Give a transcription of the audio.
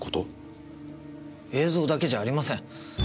映像だけじゃありません。